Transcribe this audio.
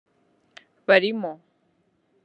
Barimo